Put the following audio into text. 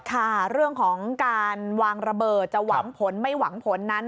ค่ะเรื่องของการวางระเบิดจะหวังผลไม่หวังผลนั้น